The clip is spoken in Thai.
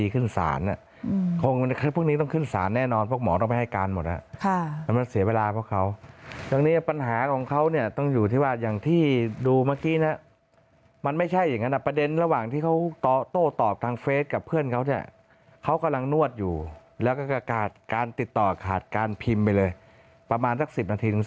เขาก็ไม่อยากบอกให้เป็นคดีแล้ว